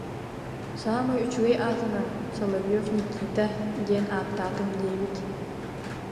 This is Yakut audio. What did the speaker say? Саамай үчүгэй аатынан, Соловьев Никита, диэн ааттаатым диэбит